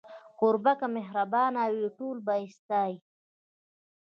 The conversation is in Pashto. کوربه که مهربانه وي، ټول به يې ستایي.